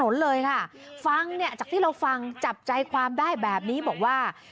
นั่งก็จะไม่ไหว